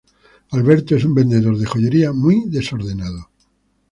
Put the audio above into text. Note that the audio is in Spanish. Alberto es un vendedor de joyería, muy desordenado.